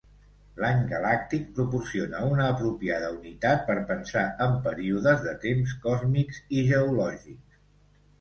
L'any galàctic proporciona una apropiada unitat per pensar en períodes de temps còsmics i geològics.